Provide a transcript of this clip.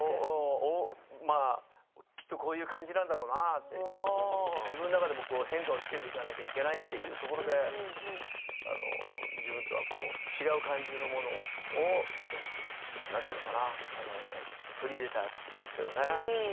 きっとこういう感じなんだろうなということで、自分の中でも変化をつけていかなくてはいけないというところで自分と違う感じのものをなんて言うのかな取り入れたんですけどね。